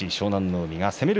海が攻める